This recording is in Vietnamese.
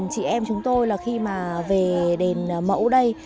chị em chúng tôi là khi mà về đền mẫu đây